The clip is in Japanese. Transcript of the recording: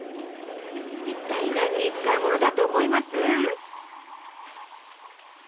いったい何に使うものだと思います？